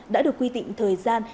đã được quy tịnh thời gian